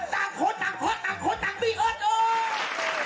ตากคนตากคนตากคนตากมี่เอิ้น